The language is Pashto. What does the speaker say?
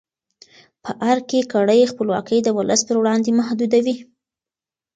په ارګ کې کړۍ خپلواکي د ولس پر وړاندې محدودوي.